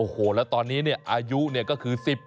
โอ้โหแล้วตอนนี้อายุก็คือ๑๐ขวบ